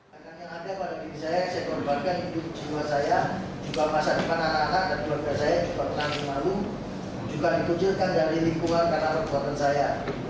penyesalan yang ada pada diri saya saya korbankan untuk jiwa saya juga pasang di mana anak anak dan keluarga saya juga penanggung malu juga dikucilkan dari lingkungan karena perbuatan saya